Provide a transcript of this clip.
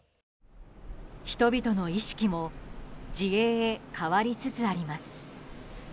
人々の意識も自衛へ変わりつつあります。